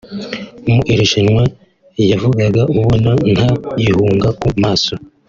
mu irushanwa yavugaga ubona nta gihunga ku maso